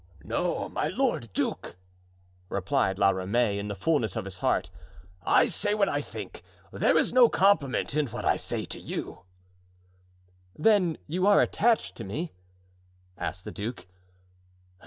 "No, my lord duke," replied La Ramee, in the fullness of his heart; "I say what I think; there is no compliment in what I say to you——" "Then you are attached to me?" asked the duke.